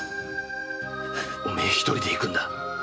お前一人で行くんだ。